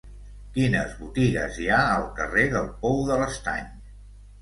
Quines botigues hi ha al carrer del Pou de l'Estany?